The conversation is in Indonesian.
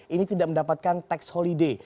ini tidak mendapatkan tax holiday